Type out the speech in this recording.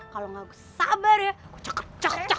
kalau gak gue sabar ya gue cak cak cak